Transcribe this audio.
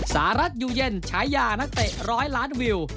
สหรัฐอยู่เย็นฉายานักเตะ๑๐๐ล้านวิว